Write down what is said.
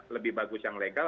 lebih bagus yang legal